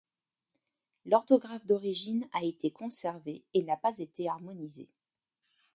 L'orthographe d'origine a été conservée et n'a pas été harmonisée.